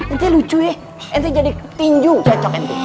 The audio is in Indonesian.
itu lucu ya itu jadi petinju cocok itu